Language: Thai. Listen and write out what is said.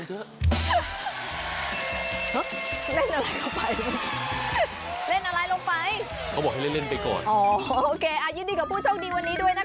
คุณนัฐพงศ์สิลา